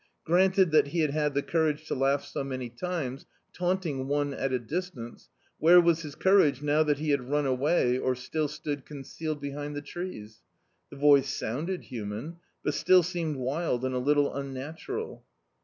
Granted that he had had the courage to laugh so many times, taunting one at a distance, where was his courage now that he had run away, or still stood cOTicealed behind the trees? TTic voice sounded human, but still seemed wild and a little unnatural.